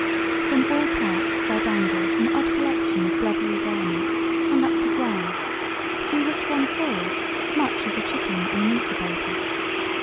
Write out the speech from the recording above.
"From all parts there dangles an odd collection of blubbery garments, hung up to dry, through which one crawls, much as a chicken in an incubator.